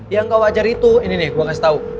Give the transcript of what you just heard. yang gak wajar itu ini nih gue ngasih tau